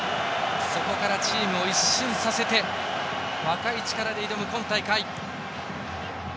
そこからチームを一新させて若い力で挑む今大会。